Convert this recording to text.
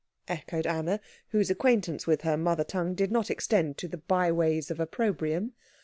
echoed Anna, whose acquaintance with her mother tongue did not extend to the byways of opprobrium.